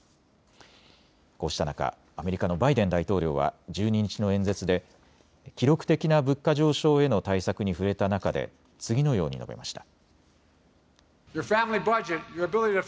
こうした中、アメリカのバイデン大統領は１２日の演説で記録的な物価上昇への対策に触れた中で次のように述べました。